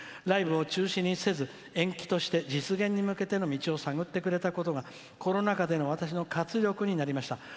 ライブを中止にせず、延期として実現に向けての道を探ってくれたことがコロナ禍での私の活力になりました。